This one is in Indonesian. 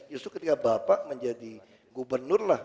justru ketika bapak menjadi gubernur lah